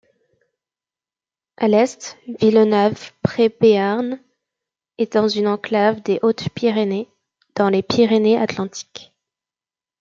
À l'est, Villenave-près-Béarn est dans une enclave des Hautes-Pyrénées dans les Pyrénées-Atlantiques.